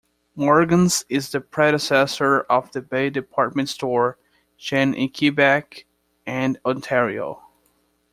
Morgan's is the predecessor of The Bay department store chain in Quebec and Ontario.